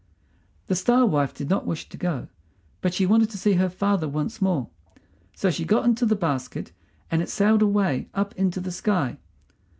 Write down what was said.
The Star wife did not wish to go, but she wanted to see her father once more, so she got into the basket and it sailed away up into the sky.